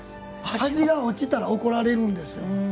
味が落ちたら、怒られるんですよ。